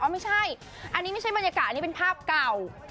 ไม่ใช่อันนี้ไม่ใช่บรรยากาศอันนี้เป็นภาพเก่า